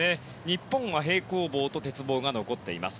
日本は平行棒と鉄棒が残っています。